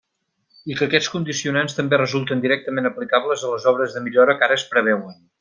I que aquests condicionants també resulten directament aplicables a les obres de millora que ara es preveuen.